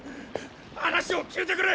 話を聞いてくれ！